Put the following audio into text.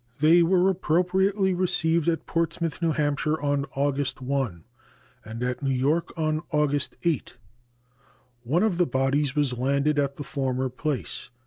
They were appropriately received at Portsmouth, N. H., on August 1 and at New York on August 8. One of the bodies was landed at the former place.